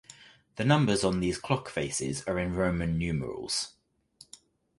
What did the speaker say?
The numbers on these clock faces are in Roman numerals.